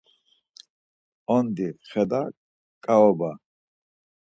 Ondi, xela ǩaoba.